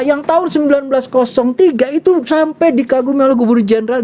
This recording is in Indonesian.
yang tahun seribu sembilan ratus tiga itu sampai dikagumi oleh gubernur jenderal